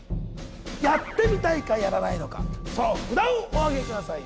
「やってみたい」か「やらない」のかその札をおあげください